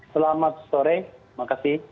selamat sore makasih